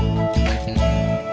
kok resletingnya kebuka